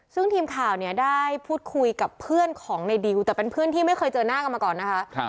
ซึ่งทีมข่าวเนี่ยได้พูดคุยกับเพื่อนของในดิวแต่เป็นเพื่อนที่ไม่เคยเจอหน้ากันมาก่อนนะคะ